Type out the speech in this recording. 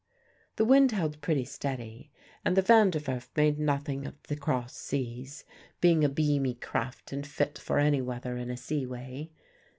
The wind held pretty steady, and the Van der Werf made nothing of the cross seas, being a beamy craft and fit for any weather in a sea way.